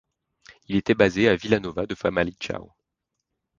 Il était basé à Vila Nova de Famalicão.